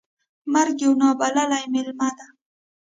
مرګ یو نا بللی میلمه ده .